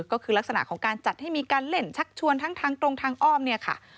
ก็คือลักษณะของการจัดให้มีการเล่นชักชวนทั้งทางตรงทางอ้อมเนี่ยค่ะ